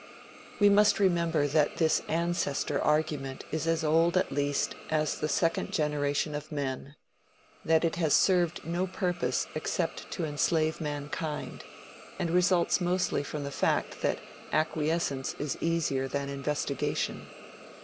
We must remember that this "ancestor" argument is as old at least as the second generation of men, that it has served no purpose except to enslave mankind, and results mostly from the fact that acquiescence is easier than investigation.